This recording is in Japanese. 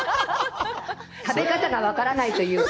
食べ方が分からないというか。